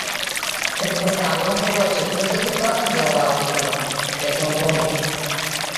Претпоставувам дека очекуваш да ти платам за оваа услуга, рекол волкот.